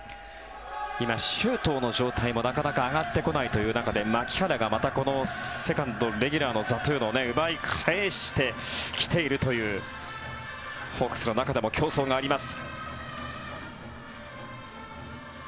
今、周東の状態もなかなか上がってこない中で牧原がまた、このセカンドレギュラーの座というのを奪い返してきているというホークスの中でも競争があります。